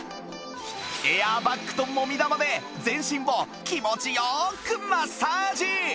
エアーバッグともみ玉で全身を気持ち良くマッサージ